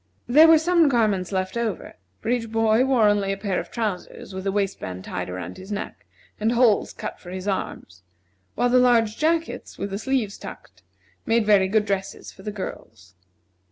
There were some garments left over, for each boy wore only a pair of trousers with the waistband tied around his neck, and holes cut for his arms; while the large jackets, with the sleeves tucked, made very good dresses for the girls.